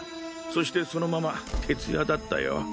そしてそのまま徹夜だったよ。